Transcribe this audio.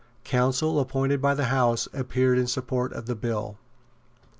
Counsel appointed by the House appeared in support of the bill.